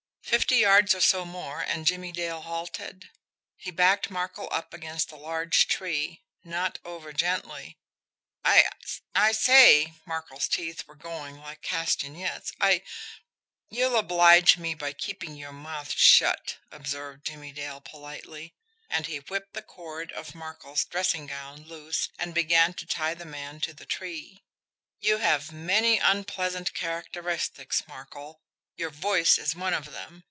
Fifty yards or so more, and Jimmie Dale halted. He backed Markel up against a large tree not over gently. "I I say" Markel's teeth were going like castanets. "I " "You'll oblige me by keeping your mouth shut," observed Jimmie Dale politely and he whipped the cord of Markel's dressing gown loose and began to tie the man to the tree. "You have many unpleasant characteristics, Markel your voice is one of them.